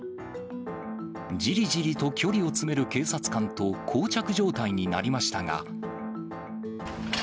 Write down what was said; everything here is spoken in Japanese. じりじりと距離を詰める警察官とこう着状態になりましたが。